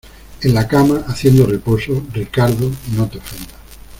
en la cama haciendo reposo. Ricardo, no te ofendas